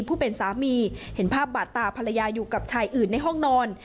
ผู้เป็นสามีเห็นภาพบาดตาภรรยาอยู่กับชายอื่นในห้องนอน